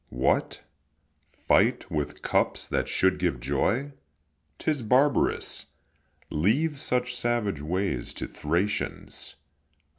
What, fight with cups that should give joy? 'Tis barbarous; leave such savage ways To Thracians.